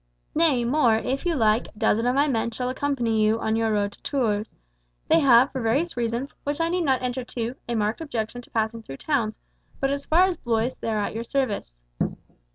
Nay, more, if you like, a dozen of my men shall accompany you on your road to Tours. They have, for various reasons, which I need not enter into, a marked objection to passing through towns, but as far as Blois they are at your service."